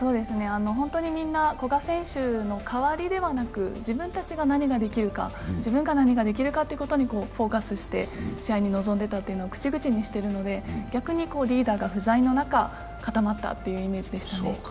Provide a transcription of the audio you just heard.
本当にみんな古賀選手の代わりではなく、自分たちが何ができるか、自分が何ができるかということにフォーカスして試合に臨んでいたというのは口々にしているので、逆にリーダーが不在の中、固まったというイメージですね。